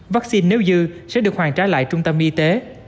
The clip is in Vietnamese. vaccine nếu như sẽ được hoàn trả lại trung tâm y tế